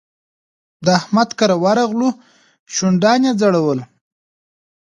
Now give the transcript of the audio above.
د احمد کره ورغلو؛ شونډان يې ځړول.